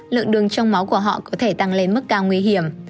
lượng đường trong máu của họ có thể tăng lên mức cao nguy hiểm